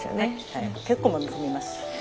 結構もみ込みます。